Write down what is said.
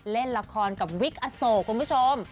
เล่นละครกับวิกอโศกคุณผู้ชม